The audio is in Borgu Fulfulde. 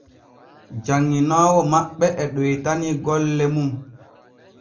Janŋinoowo maɓɓe e ɗoytani golle mun.